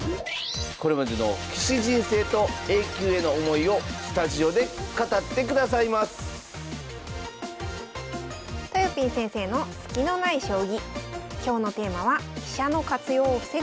これまでの棋士人生とＡ級への思いをスタジオで語ってくださいますとよぴー先生のスキのない将棋。